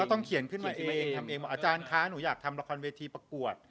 ก็ต้องเขียนขึ้นมาเองอาจารย์ค้าหนูอยากทำละครเวทีประกวด